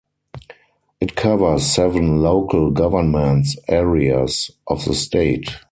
It covers seven local governments areas of the state.